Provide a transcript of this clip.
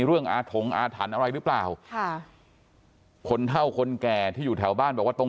อาถงอาถรรพ์อะไรหรือเปล่าค่ะคนเท่าคนแก่ที่อยู่แถวบ้านบอกว่าตรง